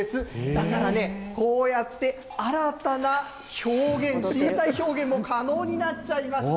だからね、こうやって新たな表現、身体表現も可能になっちゃいました。